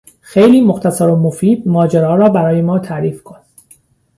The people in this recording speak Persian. خیلی مختصر و مفید ماجرا را برای ما تعریف کن